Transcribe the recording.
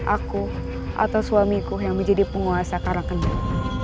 aku atau suamiku yang menjadi penguasa karakendali